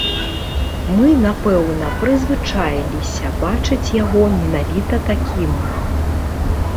Мы, напэўна, прызвычаіліся бачыць яго менавіта такім.